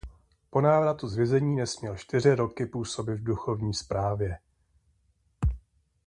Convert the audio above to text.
Po návratu z vězení nesměl čtyři roky působit v duchovní správě.